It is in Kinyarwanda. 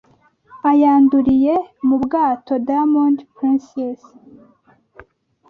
ayanduriye mu bwato Diamond Princess